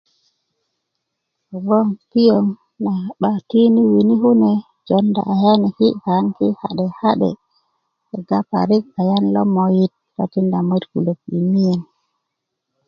kogboŋ piöŋ naŋ 'ba tiini wini kune jonda ayaniki ka'de ka'de kega parik ayan lo moyit lo tinda moyit kulök mimiyen